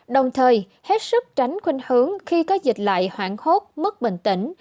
đồng thời hết sức tránh khuyên hướng khi có dịch lại hoảng hốt mất bình tĩnh